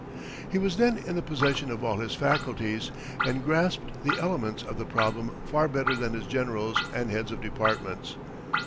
He was then in the possession of all his faculties and grasped the elements of the problem far better than his generals and heads of departments.